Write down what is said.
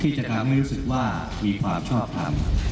ที่เจากังไม่รู้สึกว่ามีความชอบทำ